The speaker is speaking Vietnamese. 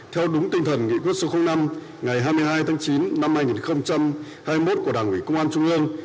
theo đúng tinh thần nghị quyết số năm ngày hai mươi hai tháng chín năm hai nghìn hai mươi một của đảng ủy công an trung ương